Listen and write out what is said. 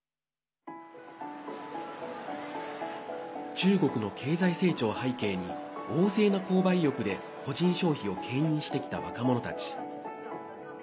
中国の経済成長を背景に旺盛な購買意欲で、個人消費をけん引してきた若者たち。